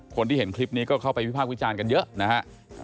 คนที่เห็นคลิปนี้ก็เข้าไปวิภาควิจารณ์กันเยอะนะฮะ